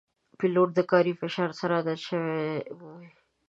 پیلوټ د کاري فشار سره عادت شوی وي.